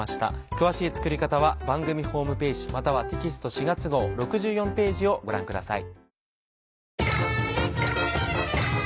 詳しい作り方は番組ホームページまたはテキスト４月号６４ページをご覧ください。